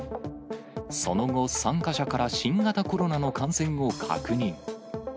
その後、参加者から新型コロナの感染を確認。